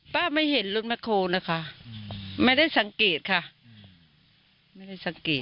ป้าไม่เห็นรถแบคโฮนะคะไม่ได้สังกิจค่ะไม่ได้สังกิจ